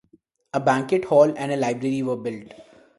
A banquet hall and a library were built.